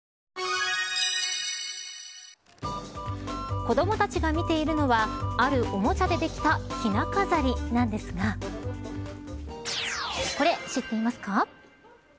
子どもたちが見ているのはあるおもちゃでできたひな飾りなんですがこれ、知っていますか。